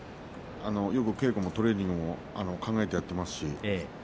よく稽古もトレーニングも考えてやっています。